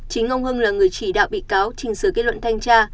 chính ông hưng là người chỉ đạo bị cáo trình sửa kết luận thanh tra